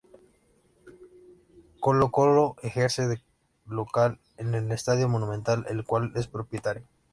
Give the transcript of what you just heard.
Colo-Colo ejerce de local en el Estadio Monumental, del cual es propietario.